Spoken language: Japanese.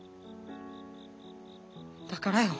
だからよ。